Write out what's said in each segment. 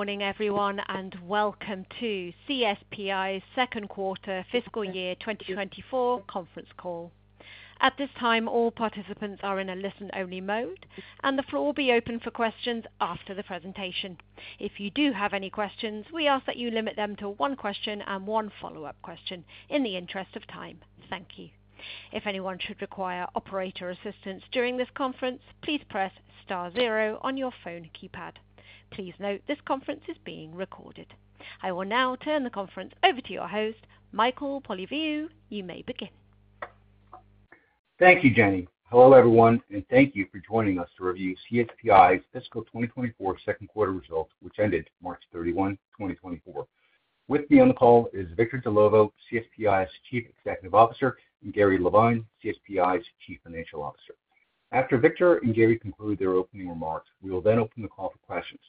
Morning, everyone, and welcome to CSPI's second quarter fiscal year 2024 conference call. At this time, all participants are in a listen-only mode, and the floor will be open for questions after the presentation. If you do have any questions, we ask that you limit them to one question and one follow-up question in the interest of time. Thank you. If anyone should require operator assistance during this conference, please press star 0 on your phone keypad. Please note, this conference is being recorded. I will now turn the conference over to your host, Michael Polyviou. You may begin. Thank you, Jenny. Hello, everyone, and thank you for joining us to review CSPi's fiscal 2024 second quarter results, which ended March 31, 2024. With me on the call is Victor Dellovo, CSPi's Chief Executive Officer, and Gary Levine, CSPi's Chief Financial Officer. After Victor and Gary conclude their opening remarks, we will then open the call for questions.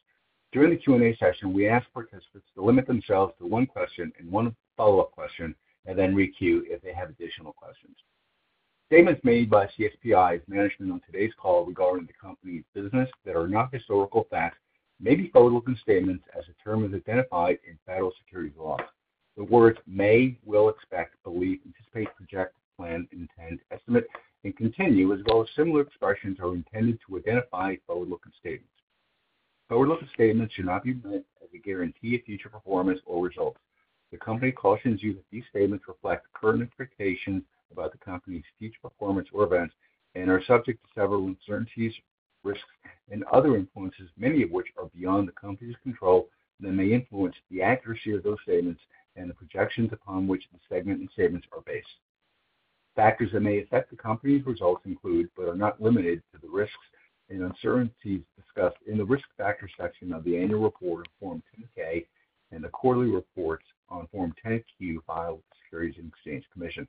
During the Q&A session, we ask participants to limit themselves to one question and one follow-up question, and then re-queue if they have additional questions. Statements made by CSPi's management on today's call regarding the company's business that are not historical facts may be forward-looking statements as the term is identified in federal securities laws. The words "may," "will," "expect," "believe," "anticipate," "project," "plan," "intend," "estimate," and "continue" as well as similar expressions are intended to identify forward-looking statements. Forward-looking statements should not be meant as a guarantee of future performance or results. The company cautions you that these statements reflect current expectations about the company's future performance or events and are subject to several uncertainties, risks, and other influences, many of which are beyond the company's control and that may influence the accuracy of those statements and the projections upon which such statements are based. Factors that may affect the company's results include, but are not limited to, the risks and uncertainties discussed in the risk factors section of the annual report on Form 10-K and the quarterly reports on Form 10-Q filed with the Securities and Exchange Commission.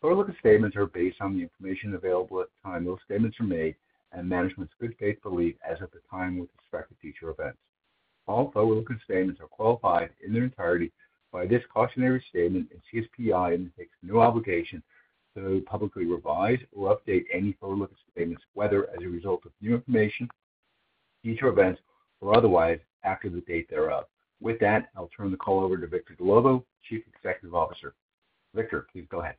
Forward-looking statements are based on the information available at the time those statements are made and management's good faith belief as of the time with respect to future events. All forward-looking statements are qualified in their entirety by this cautionary statement, and CSPi undertakes no obligation to publicly revise or update any forward-looking statements, whether as a result of new information, future events, or otherwise after the date thereof. With that, I'll turn the call over to Victor Dellovo, Chief Executive Officer. Victor, please go ahead.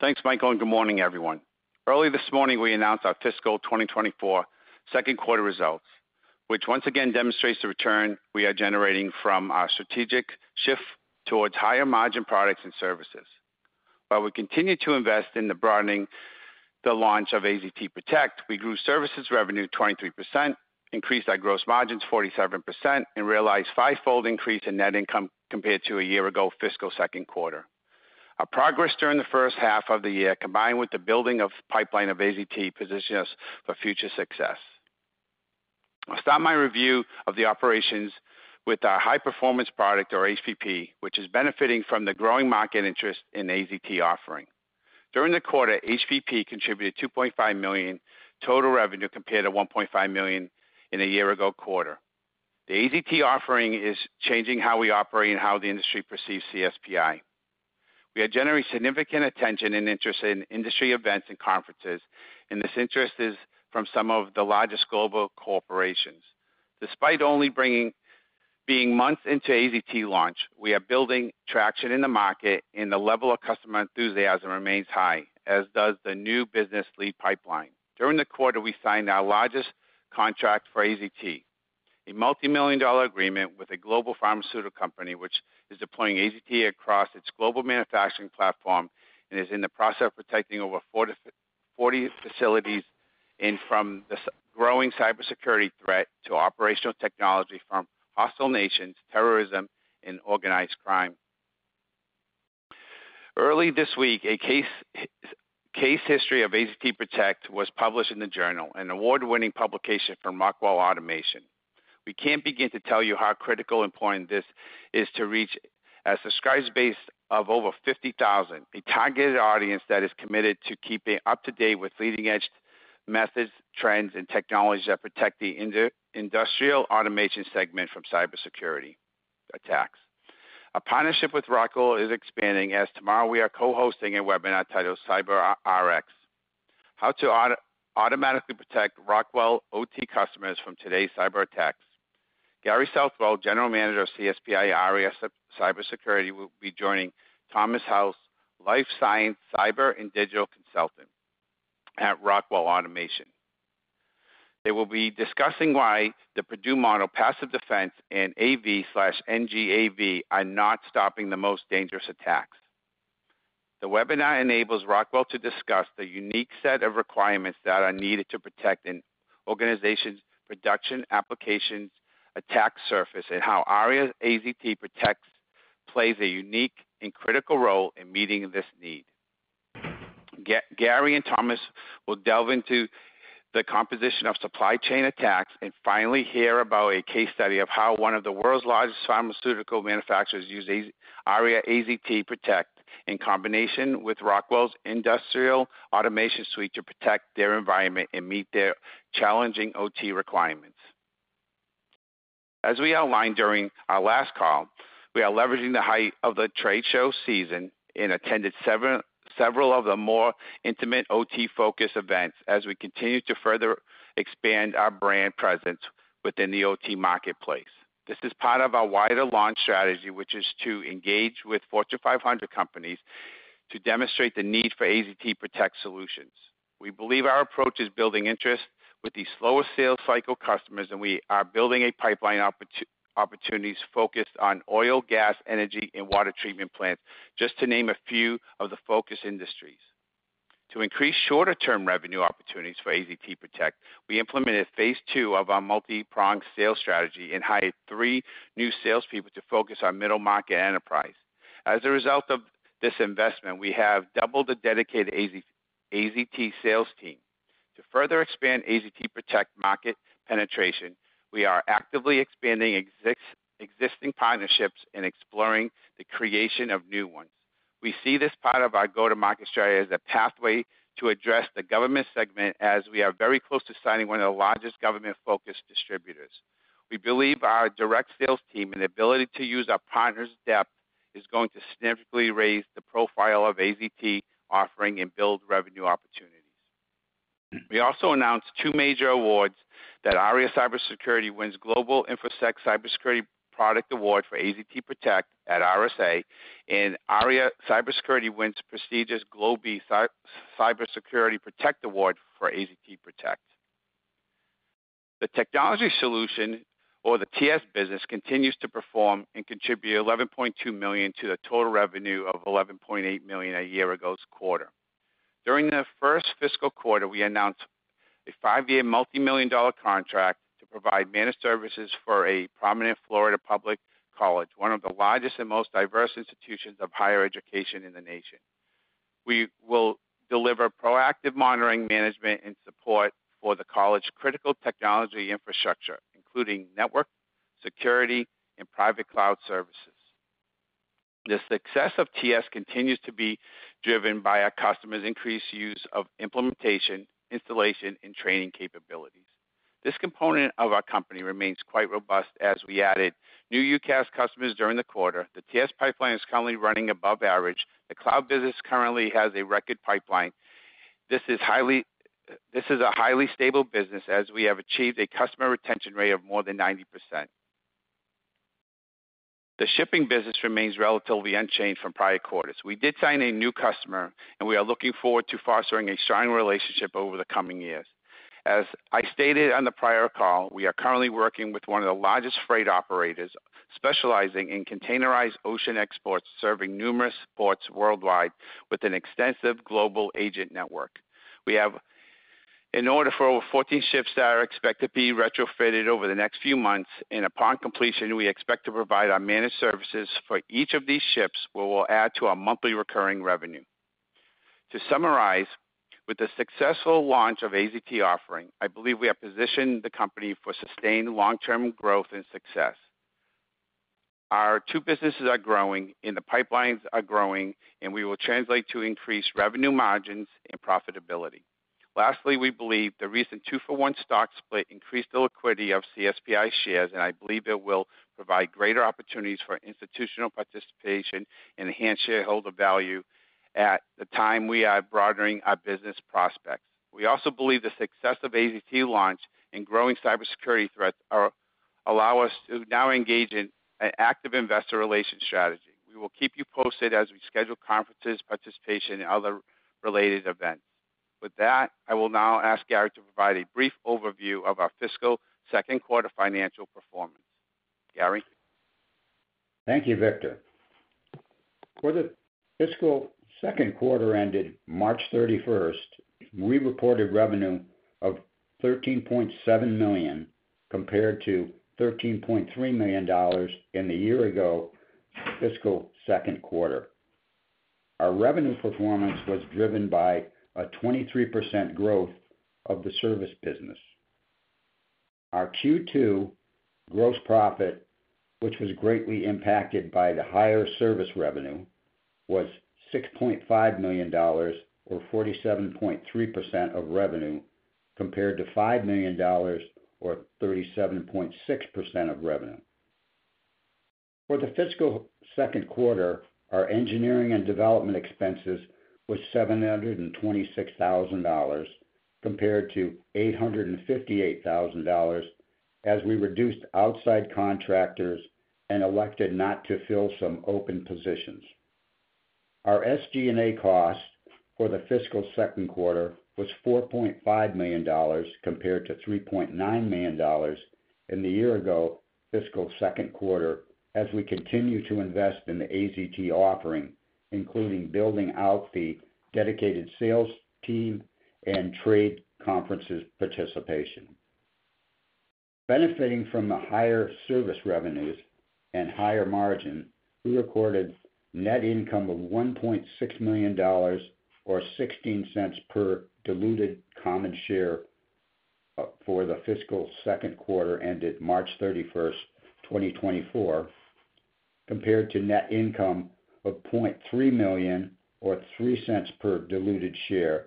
Thanks, Michael, and good morning, everyone. Early this morning, we announced our fiscal 2024 second quarter results, which once again demonstrates the return we are generating from our strategic shift towards higher margin products and services. While we continue to invest in the broadening the launch of AZT PROTECT, we grew services revenue 23%, increased our gross margins 47%, and realized a five-fold increase in net income compared to a year ago fiscal second quarter. Our progress during the first half of the year, combined with the building of the pipeline of AZT, positioned us for future success. I'll start my review of the operations with our high-performance product, or HPP, which is benefiting from the growing market interest in AZT offering. During the quarter, HPP contributed $2.5 million total revenue compared to $1.5 million in a year ago quarter. The AZT offering is changing how we operate and how the industry perceives CSPi. We are generating significant attention and interest in industry events and conferences, and this interest is from some of the largest global corporations. Despite only being months into AZT launch, we are building traction in the market, and the level of customer enthusiasm remains high, as does the new business lead pipeline. During the quarter, we signed our largest contract for AZT, a multimillion-dollar agreement with a global pharmaceutical company which is deploying AZT across its global manufacturing platform and is in the process of protecting over 40 facilities from the growing cybersecurity threat to operational technology from hostile nations, terrorism, and organized crime. Early this week, a case history of AZT PROTECT was published in the journal, an award-winning publication from Rockwell Automation. We can't begin to tell you how critical and important this is to reach a subscriber base of over 50,000, a targeted audience that is committed to keeping up to date with leading-edge methods, trends, and technologies that protect the industrial automation segment from cybersecurity attacks. Our partnership with Rockwell is expanding, as tomorrow we are co-hosting a webinar titled "Cyber RX: How to Automatically Protect Rockwell OT Customers from Today's Cyber Attacks." Gary Southwell, General Manager of CSPi ARIA Cybersecurity, will be joining Thomas House, Life Science Cyber and Digital Consultant at Rockwell Automation. They will be discussing why the Purdue Model passive defense and AV/NGAV are not stopping the most dangerous attacks. The webinar enables Rockwell to discuss the unique set of requirements that are needed to protect an organization's production applications attack surface and how ARIA AZT PROTECT plays a unique and critical role in meeting this need. Gary and Thomas will delve into the composition of supply chain attacks and finally hear about a case study of how one of the world's largest pharmaceutical manufacturers used ARIA AZT PROTECT in combination with Rockwell's industrial automation suite to protect their environment and meet their challenging OT requirements. As we outlined during our last call, we are leveraging the height of the trade show season and attended several of the more intimate OT-focused events as we continue to further expand our brand presence within the OT marketplace. This is part of our wider launch strategy, which is to engage with Fortune 500 companies to demonstrate the need for AZT PROTECT solutions. We believe our approach is building interest with the slowest sales cycle customers, and we are building a pipeline opportunities focused on oil, gas, energy, and water treatment plants, just to name a few of the focus industries. To increase shorter-term revenue opportunities for AZT PROTECT, we implemented phase two of our multi-pronged sales strategy and hired three new salespeople to focus on middle-market enterprise. As a result of this investment, we have doubled the dedicated AZT sales team. To further expand AZT PROTECT market penetration, we are actively expanding existing partnerships and exploring the creation of new ones. We see this part of our go-to-market strategy as a pathway to address the government segment, as we are very close to signing one of the largest government-focused distributors. We believe our direct sales team and the ability to use our partners' depth is going to significantly raise the profile of AZT offering and build revenue opportunities. We also announced two major awards that ARIA Cybersecurity wins: Global InfoSec Cybersecurity Product Award for AZT PROTECT at RSA, and ARIA Cybersecurity wins prestigious Globee Cybersecurity Product Award for AZT PROTECT. The technology solution, or the TS business, continues to perform and contribute $11.2 million to the total revenue of $11.8 million a year ago's quarter. During the first fiscal quarter, we announced a five-year multimillion-dollar contract to provide managed services for a prominent Florida public college, one of the largest and most diverse institutions of higher education in the nation. We will deliver proactive monitoring, management, and support for the college's critical technology infrastructure, including network, security, and private cloud services. The success of TS continues to be driven by our customers' increased use of implementation, installation, and training capabilities. This component of our company remains quite robust, as we added new UCaaS customers during the quarter. The TS pipeline is currently running above average. The cloud business currently has a record pipeline. This is a highly stable business, as we have achieved a customer retention rate of more than 90%. The shipping business remains relatively unchanged from prior quarters. We did sign a new customer, and we are looking forward to fostering a strong relationship over the coming years. As I stated on the prior call, we are currently working with one of the largest freight operators specializing in containerized ocean exports, serving numerous ports worldwide with an extensive global agent network. We have an order for over 14 ships that are expected to be retrofitted over the next few months, and upon completion, we expect to provide our managed services for each of these ships, which will add to our monthly recurring revenue. To summarize, with the successful launch of AZT offering, I believe we have positioned the company for sustained long-term growth and success. Our two businesses are growing, and the pipelines are growing, and we will translate to increased revenue margins and profitability. Lastly, we believe the recent two-for-one stock split increased the liquidity of CSPi shares, and I believe it will provide greater opportunities for institutional participation and enhanced shareholder value at the time we are broadening our business prospects. We also believe the success of AZT launch and growing cybersecurity threats allow us to now engage in an active investor relation strategy. We will keep you posted as we schedule conferences, participation, and other related events. With that, I will now ask Gary to provide a brief overview of our fiscal second quarter financial performance. Gary? Thank you, Victor. For the fiscal second quarter ended March 31st, we reported revenue of $13.7 million compared to $13.3 million in the year ago fiscal second quarter. Our revenue performance was driven by a 23% growth of the service business. Our Q2 gross profit, which was greatly impacted by the higher service revenue, was $6.5 million, or 47.3% of revenue, compared to $5 million, or 37.6% of revenue. For the fiscal second quarter, our engineering and development expenses were $726,000 compared to $858,000 as we reduced outside contractors and elected not to fill some open positions. Our SG&A cost for the fiscal second quarter was $4.5 million compared to $3.9 million in the year ago fiscal second quarter, as we continue to invest in the AZT offering, including building out the dedicated sales team and trade conferences participation. Benefiting from the higher service revenues and higher margin, we recorded net income of $1.6 million, or $0.16 per diluted common share, for the fiscal second quarter ended March 31st, 2024, compared to net income of $0.3 million, or $0.03 per diluted share,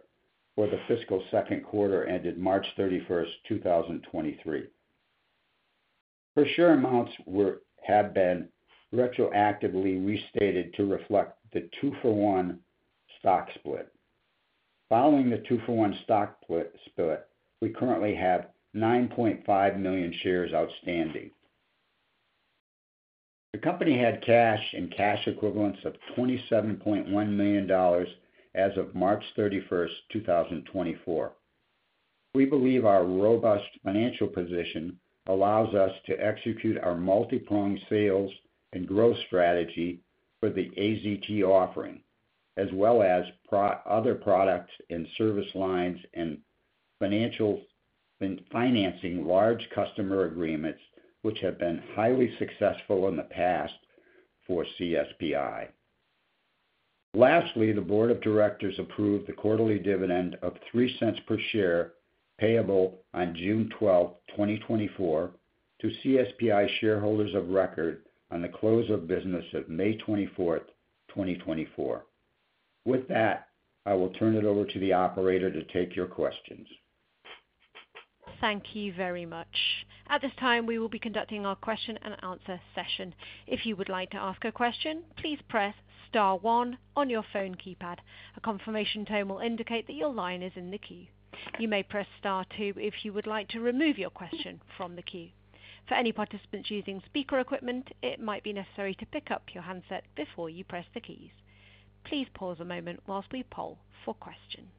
for the fiscal second quarter ended March 31st, 2023. All such amounts have been retroactively restated to reflect the two-for-one stock split. Following the two-for-one stock split, we currently have 9.5 million shares outstanding. The company had cash and cash equivalents of $27.1 million as of March 31st, 2024. We believe our robust financial position allows us to execute our multi-pronged sales and growth strategy for the AZT offering, as well as other products and service lines and financial financing large customer agreements, which have been highly successful in the past for CSPI. Lastly, the Board of Directors approved the quarterly dividend of $0.03 per share payable on June 12th, 2024, to CSPI shareholders of record on the close of business of May 24th, 2024. With that, I will turn it over to the operator to take your questions. Thank you very much. At this time, we will be conducting our question-and-answer session. If you would like to ask a question, please press star one on your phone keypad. A confirmation tone will indicate that your line is in the queue. You may press star two if you would like to remove your question from the queue. For any participants using speaker equipment, it might be necessary to pick up your handset before you press the keys. Please pause a moment while we poll for questions.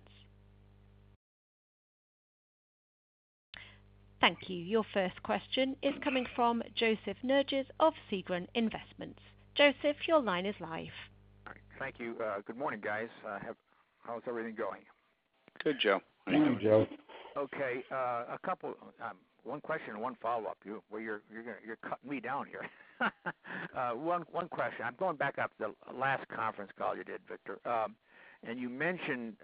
Thank you. Your first question is coming from Joseph Nerges of Segren Investments. Joseph, your line is live. Thank you. Good morning, guys. How's everything going? Good, Joe. How are you doing? Good, Joe. Okay. One question and one follow-up. You're cutting me down here. One question. I'm going back up to the last conference call you did, Victor. You mentioned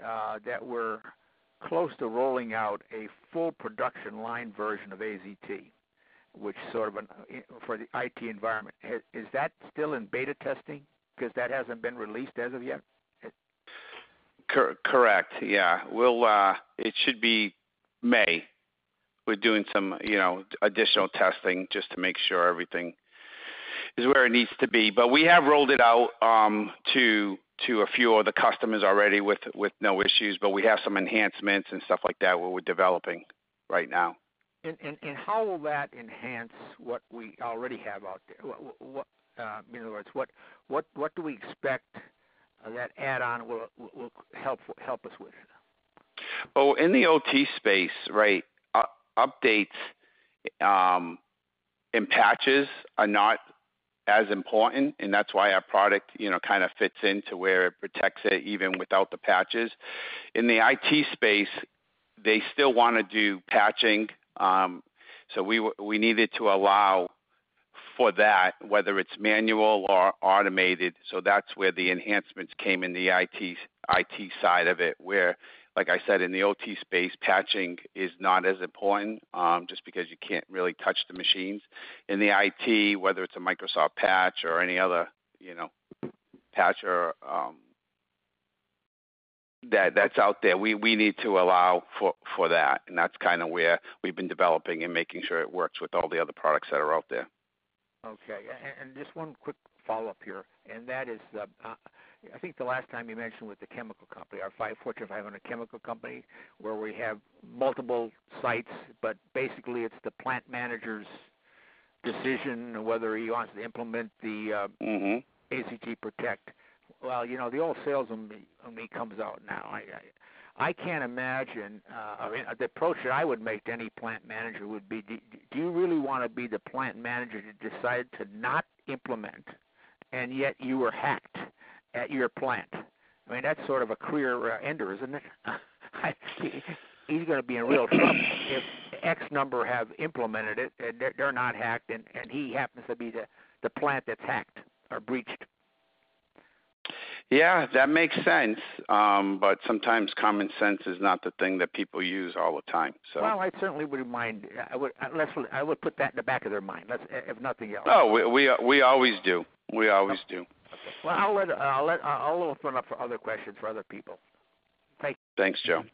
that we're close to rolling out a full production line version of AZT, which sort of for the IT environment. Is that still in beta testing because that hasn't been released as of yet? Correct. Yeah. It should be May. We're doing some additional testing just to make sure everything is where it needs to be. But we have rolled it out to a few of the customers already with no issues, but we have some enhancements and stuff like that we're developing right now. How will that enhance what we already have out there? In other words, what do we expect that add-on will help us with? Oh, in the OT space, right, updates and patches are not as important, and that's why our product kind of fits into where it protects it even without the patches. In the IT space, they still want to do patching, so we needed to allow for that, whether it's manual or automated. So that's where the enhancements came in the IT side of it, where, like I said, in the OT space, patching is not as important just because you can't really touch the machines. In the IT, whether it's a Microsoft patch or any other patch that's out there, we need to allow for that, and that's kind of where we've been developing and making sure it works with all the other products that are out there. Okay. Just one quick follow-up here, and that is I think the last time you mentioned with the chemical company, our Fortune 500 chemical company, where we have multiple sites, but basically, it's the plant manager's decision whether he wants to implement the AZT PROTECT. Well, the old sales only comes out now. I can't imagine the approach that I would make to any plant manager would be, "Do you really want to be the plant manager to decide to not implement, and yet you were hacked at your plant?" I mean, that's sort of a career ender, isn't it? He's going to be in real trouble if X number have implemented it, and they're not hacked, and he happens to be the plant that's hacked or breached. Yeah. That makes sense, but sometimes common sense is not the thing that people use all the time, so. Well, I certainly wouldn't mind. I would put that in the back of their mind, if nothing else. Oh, we always do. We always do. Okay. Well, I'll open up for other questions for other people. Thank you. Thanks, Joe.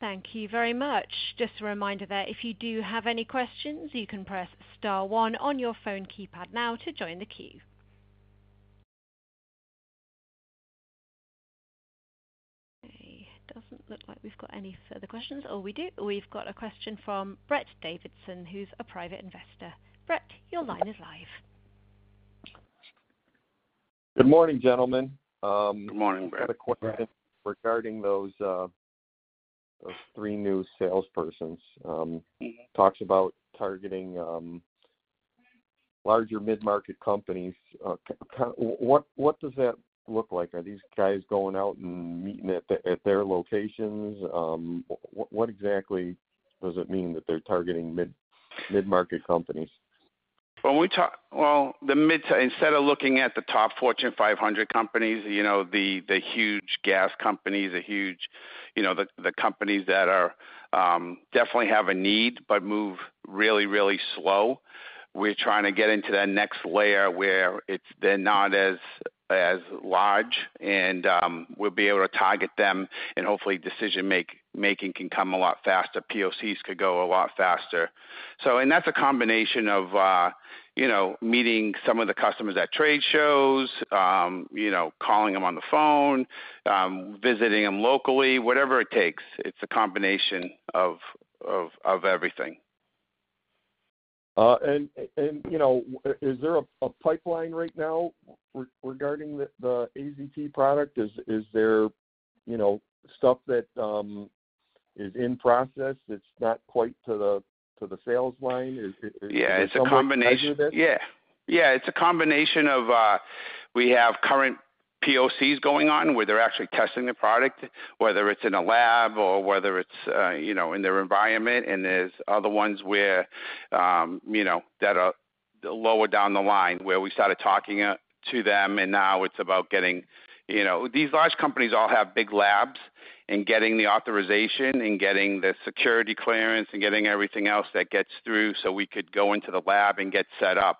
Thank you very much. Just a reminder there, if you do have any questions, you can press star one on your phone keypad now to join the queue. It doesn't look like we've got any further questions. Oh, we do. We've got a question from Brett Davidson, who's a private investor. Brett, your line is live. Good morning, gentlemen. Good morning, Brett. I had a question regarding those three new salespersons. Talks about targeting larger mid-market companies. What does that look like? Are these guys going out and meeting at their locations? What exactly does it mean that they're targeting mid-market companies? Well, instead of looking at the top Fortune 500 companies, the huge gas companies, the huge companies that definitely have a need but move really, really slow, we're trying to get into that next layer where they're not as large, and we'll be able to target them, and hopefully, decision-making can come a lot faster. POCs could go a lot faster. And that's a combination of meeting some of the customers at trade shows, calling them on the phone, visiting them locally, whatever it takes. It's a combination of everything. Is there a pipeline right now regarding the AZT product? Is there stuff that is in process that's not quite to the sales line? Yeah. It's a combination. Is there a pipeline for this? Yeah. Yeah. It's a combination of we have current POCs going on where they're actually testing the product, whether it's in a lab or whether it's in their environment, and there's other ones that are lower down the line where we started talking to them, and now it's about getting these large companies all have big labs and getting the authorization and getting the security clearance and getting everything else that gets through so we could go into the lab and get set up.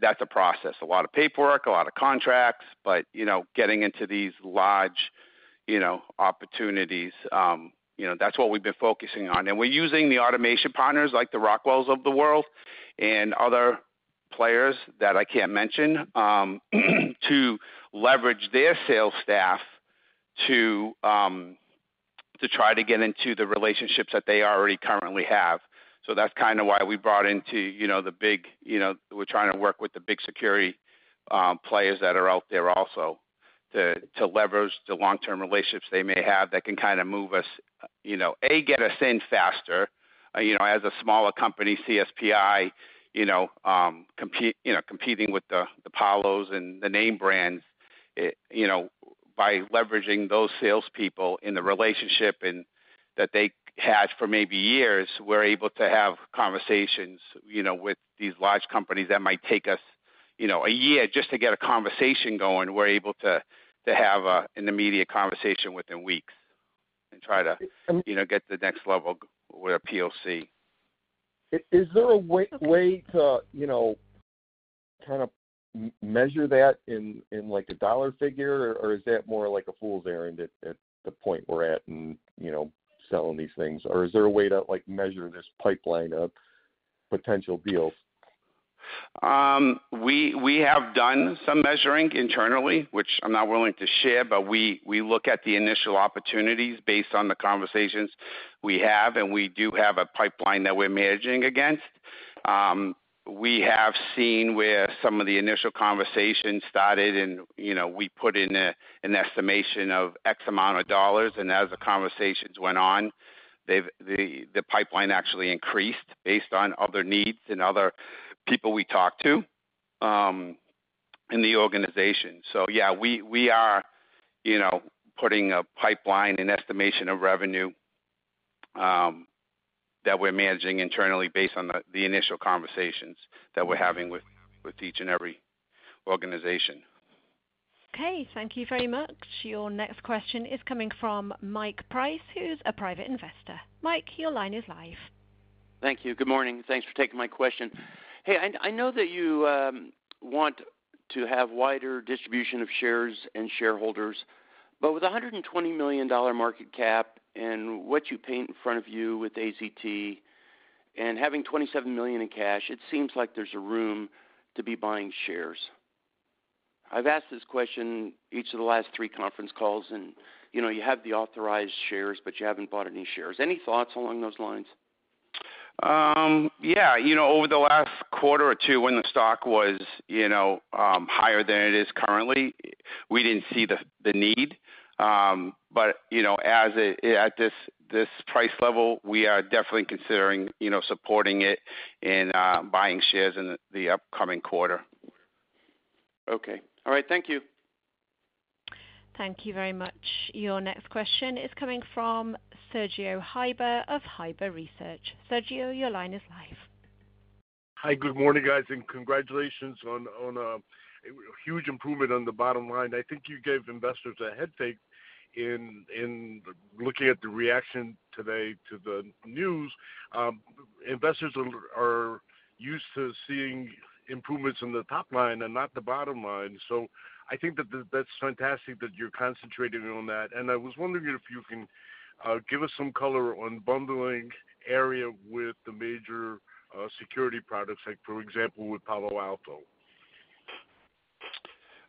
That's a process, a lot of paperwork, a lot of contracts, but getting into these large opportunities, that's what we've been focusing on. And we're using the automation partners like the Rockwells of the world and other players that I can't mention to leverage their sales staff to try to get into the relationships that they already currently have. So that's kind of why we brought into the big. We're trying to work with the big security players that are out there also to leverage the long-term relationships they may have that can kind of move us, get us in faster. As a smaller company, CSPi, competing with the Palo Altos and the name brands, by leveraging those salespeople in the relationship that they had for maybe years, we're able to have conversations with these large companies that might take us a year just to get a conversation going. We're able to have an immediate conversation within weeks and try to get the next level with a POC. Is there a way to kind of measure that in a dollar figure, or is that more like a fool's errand at the point we're at and selling these things? Or is there a way to measure this pipeline of potential deals? We have done some measuring internally, which I'm not willing to share, but we look at the initial opportunities based on the conversations we have, and we do have a pipeline that we're managing against. We have seen where some of the initial conversations started, and we put in an estimation of X amount of dollars, and as the conversations went on, the pipeline actually increased based on other needs and other people we talked to in the organization. So yeah, we are putting a pipeline, an estimation of revenue that we're managing internally based on the initial conversations that we're having with each and every organization. Okay. Thank you very much. Your next question is coming from Mike Price, who's a private investor. Mike, your line is live. Thank you. Good morning. Thanks for taking my question. Hey, I know that you want to have wider distribution of shares and shareholders, but with a $120 million market cap and what you paint in front of you with AZT and having $27 million in cash, it seems like there's a room to be buying shares. I've asked this question each of the last three conference calls, and you have the authorized shares, but you haven't bought any shares. Any thoughts along those lines? Yeah. Over the last quarter or two, when the stock was higher than it is currently, we didn't see the need. But at this price level, we are definitely considering supporting it and buying shares in the upcoming quarter. Okay. All right. Thank you. Thank you very much. Your next question is coming from Sergio Heiber of Heiber Research. Sergio, your line is live. Hi. Good morning, guys, and congratulations on a huge improvement on the bottom line. I think you gave investors a head start in looking at the reaction today to the news. Investors are used to seeing improvements in the top line and not the bottom line. So I think that that's fantastic that you're concentrating on that. And I was wondering if you can give us some color on bundling ARIA with the major security products, for example, with Palo Alto?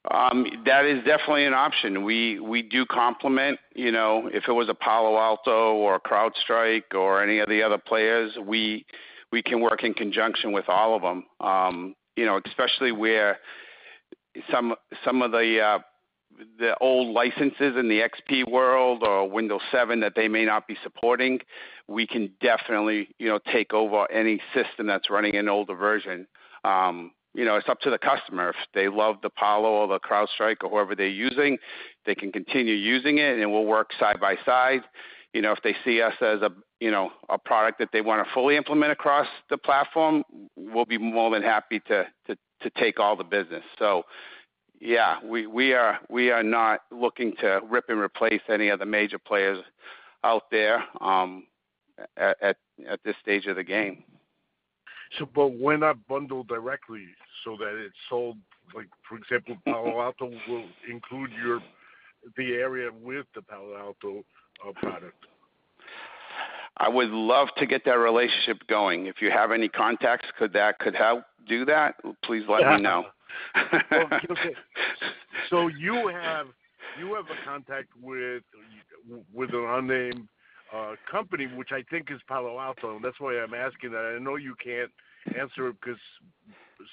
That is definitely an option. We do complement. If it was a Palo Alto or a CrowdStrike or any of the other players, we can work in conjunction with all of them, especially where some of the old licenses in the XP world or Windows 7 that they may not be supporting, we can definitely take over any system that's running an older version. It's up to the customer. If they love the Palo or the CrowdStrike or whoever they're using, they can continue using it, and we'll work side by side. If they see us as a product that they want to fully implement across the platform, we'll be more than happy to take all the business. So yeah, we are not looking to rip and replace any of the major players out there at this stage of the game. But when I bundle directly so that it's sold, for example, Palo Alto will include the ARIA with the Palo Alto product? I would love to get that relationship going. If you have any contacts, could that help do that? Please let me know. Yeah. So you have a contact with an unnamed company, which I think is Palo Alto, and that's why I'm asking that. I know you can't answer it,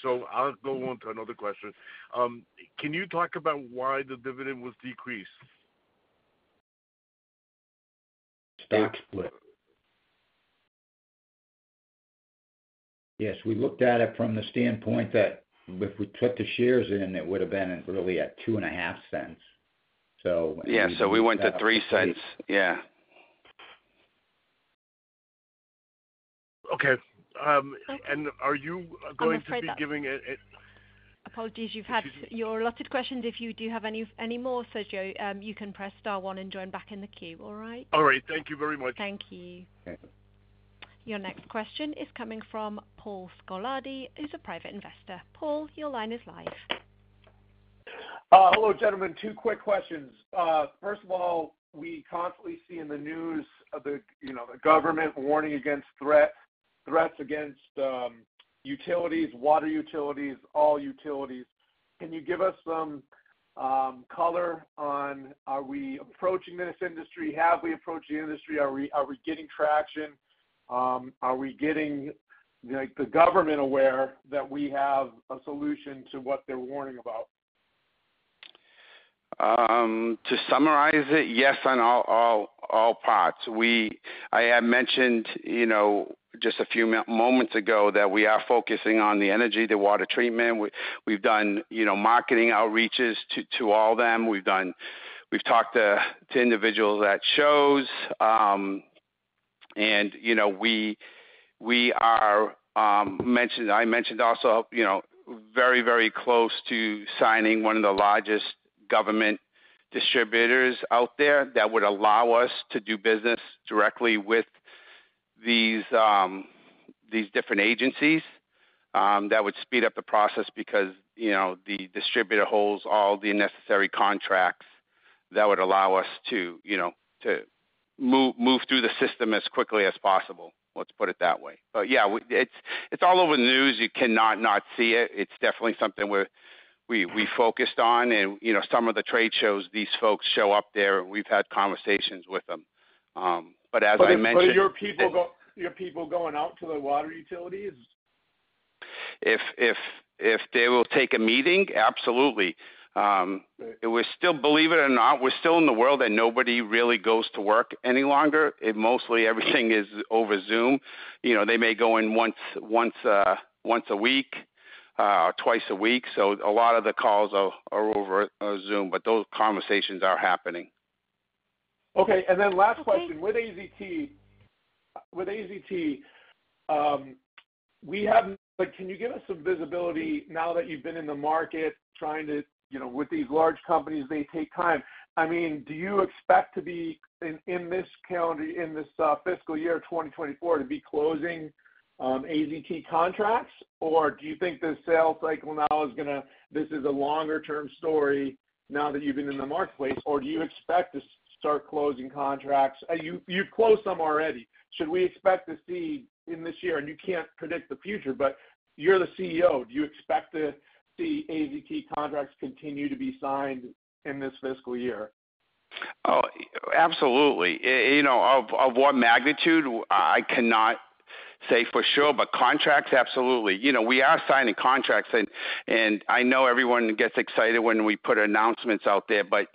so I'll go on to another question. Can you talk about why the dividend was decreased? Stock split. Yes. We looked at it from the standpoint that if we took the shares in, it would have been really at $0.025, so. Yeah. So we went to $0.03. Yeah. Okay. And are you going to be giving it? Apologies. You've had your allotted questions. If you do have any more, Sergio, you can press star one and join back in the queue. All right? All right. Thank you very much. Thank you. Your next question is coming from Paul Scolardi, who's a private investor. Paul, your line is live. Hello, gentlemen. Two quick questions. First of all, we constantly see in the news the government warning against threats against utilities, water utilities, all utilities. Can you give us some color on, are we approaching this industry? Have we approached the industry? Are we getting traction? Are we getting the government aware that we have a solution to what they're warning about? To summarize it, yes, on all parts. I had mentioned just a few moments ago that we are focusing on the energy, the water treatment. We've done marketing outreaches to all them. We've talked to individuals at shows, and I mentioned also very, very close to signing one of the largest government distributors out there that would allow us to do business directly with these different agencies. That would speed up the process because the distributor holds all the unnecessary contracts that would allow us to move through the system as quickly as possible. Let's put it that way. But yeah, it's all over the news. You cannot not see it. It's definitely something we focused on, and some of the trade shows, these folks show up there, and we've had conversations with them. But as I mentioned. Are your people going out to the water utilities? If they will take a meeting, absolutely. Believe it or not, we're still in the world that nobody really goes to work any longer. Mostly, everything is over Zoom. They may go in once a week or twice a week, so a lot of the calls are over Zoom, but those conversations are happening. Okay. And then last question. With AZT, we have—can you give us some visibility now that you've been in the market trying to with these large companies, they take time. I mean, do you expect to be in this calendar, in this fiscal year of 2024, to be closing AZT contracts, or do you think the sale cycle now is going to—this is a longer-term story now that you've been in the marketplace, or do you expect to start closing contracts? You've closed some already. Should we expect to see in this year? And you can't predict the future, but you're the CEO. Do you expect to see AZT contracts continue to be signed in this fiscal year? Oh, absolutely. Of what magnitude, I cannot say for sure, but contracts, absolutely. We are signing contracts, and I know everyone gets excited when we put announcements out there, but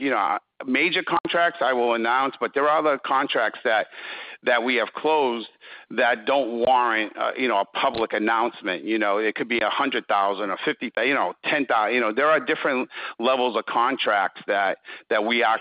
major contracts, I will announce, but there are other contracts that we have closed that don't warrant a public announcement. It could be $100,000, a $10,000. There are different levels of contracts that we are.